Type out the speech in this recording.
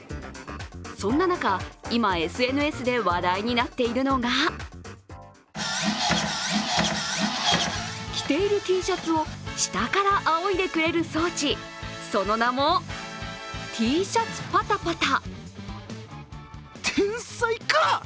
そんな中、今、ＳＮＳで話題になっているのが着ているＴシャツを下からあおいでくれる装置、その名もＴシャツパタパタ。